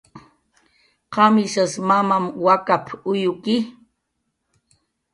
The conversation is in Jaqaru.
"¿Qamishas mamam wakap"" uywki?"